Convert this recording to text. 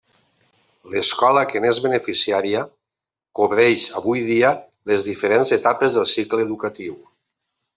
L'escola que n'és beneficiària cobreix avui dia les diferents etapes del cicle educatiu.